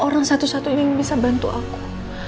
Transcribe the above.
yang satu satunya yang bisa bantu aku